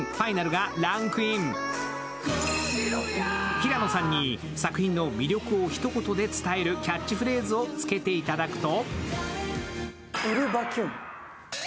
平野さんに作品の魅力をひと言で伝えるキャッチフレーズをつけていただくと？